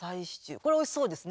これおいしそうですね。